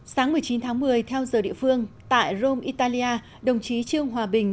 sáng một mươi chín tháng một mươi theo giờ địa phương tại rome italia đồng chí trương hòa bình